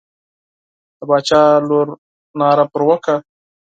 د باچا لور ناره پر وکړه.